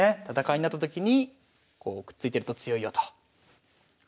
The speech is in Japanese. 戦いになったときにこうくっついてると強いよと。